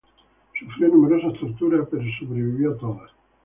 Sufrió numerosas torturas, pero sobrevivió a todas.